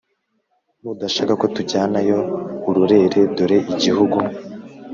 nudashaka ko tujyanayo urorere Dore igihugu